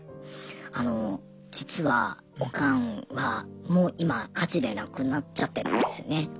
あの実はオカンはもう今火事で亡くなっちゃってるんですよね。